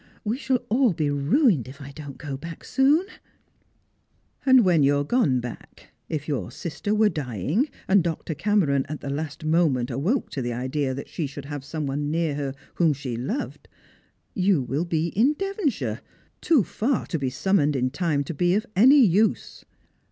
We shall all be ruined if I don't go back soon." " And when you are gone back, if your sister were dying, and Dr. Cameron at the last moment awoke to the idea that she jhould have some one near her whom she had loved, you will oe in Devonshire — too far to be summoned in time to be of any use."